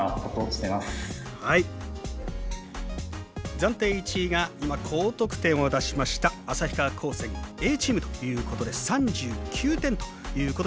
暫定１位が今高得点を出しました旭川高専Ａチームということで３９点ということになっています。